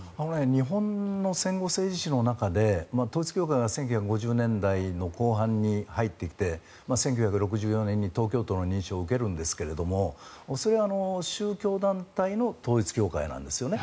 日本の戦後政治史の中で統一教会が１９５０年代の後半に入ってきて、１９６４年に東京都の認証を受けるんですがそれは宗教団体の統一教会なんですよね。